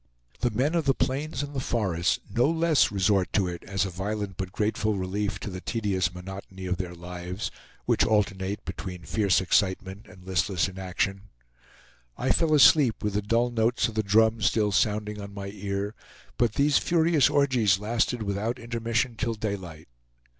The men of the plains and the forests no less resort to it as a violent but grateful relief to the tedious monotony of their lives, which alternate between fierce excitement and listless inaction. I fell asleep with the dull notes of the drum still sounding on my ear, but these furious orgies lasted without intermission till daylight.